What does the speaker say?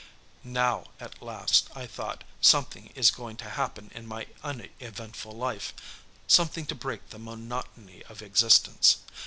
Now at last, I thought, something is going to happen in my uneventful life something to break the monotony of existence.